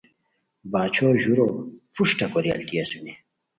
باچھو ژورو پروشٹہ کوری التی اسونی